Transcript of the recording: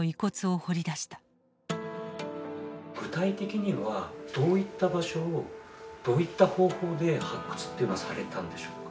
具体的にはどういった場所をどういった方法で発掘っていうのはされたんでしょうか？